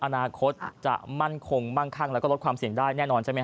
อนาคตจะมั่นคงมั่งคั่งแล้วก็ลดความเสี่ยงได้แน่นอนใช่ไหม